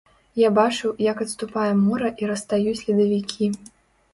Я бачыў, як адступае мора і растаюць ледавікі.